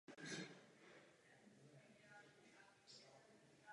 Ředitel tohoto úřadu brzy poznal vynikající talent mladého muže.